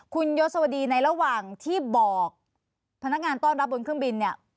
คุณยศวดีในระหว่างที่บอกพนักงานต้อนรับบนเครื่องบินเนี่ย